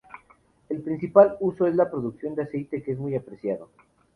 El principal uso es la producción de aceite, que es muy apreciado.